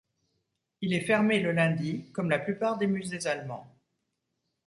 Il est fermé le lundi, comme la plupart des musées allemands.